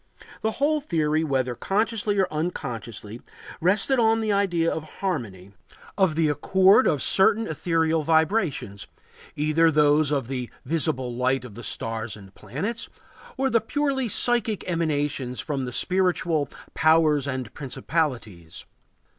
The whole theory, whether consciously or unconsciously, rested on the idea of harmony, of the accord of certain ethereal vibrations, either those of the visible light of the stars and planets or the purely psychic emanations from the spiritual "powers and principalities."